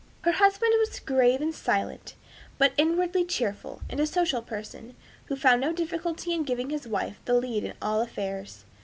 Her husband was a grave and silent, but inwardly cheerful and social person, who found no difficulty in giving his wife the lead in all affairs.